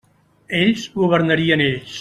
Ells, governarien ells.